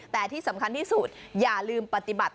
แต่ที่สำคัญที่สุดอย่าลืมปฏิบัติ